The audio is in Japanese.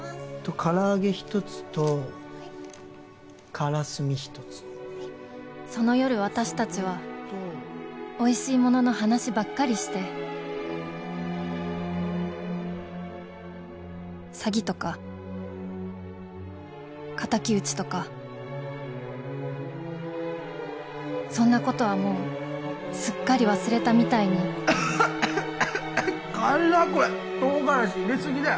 唐揚げ１つと・はいカラスミ１つ・はいその夜私達はおいしいものの話ばっかりして詐欺とか仇討ちとかそんなことはもうすっかり忘れたみたいに辛っこれ唐辛子入れすぎだよ